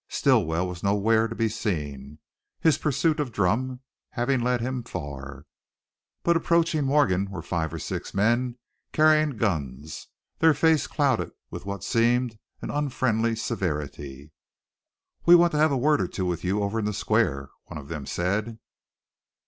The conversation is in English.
Stilwell was nowhere to be seen, his pursuit of Drumm having led him far. But approaching Morgan were five or six men carrying guns, their faces clouded with what seemed an unfriendly severity. "We want to have a word or two with you over in the square," one of them said.